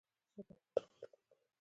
او په خپلو خلکو.